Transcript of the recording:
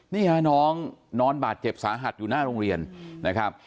นี่ฮะน้องนอนบาดเจ็บสาหัสอยู่หน้าโรงเรียนนะครับ